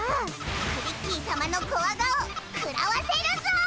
クリッキーさまのコワ顔食らわせるぞ！